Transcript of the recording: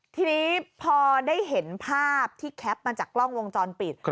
ทีนี้พอได้เห็นภาพที่แคปมาจากกล้องวงจรปิด